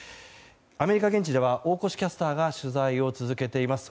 アメリカ現地では大越キャスターが取材を続けています。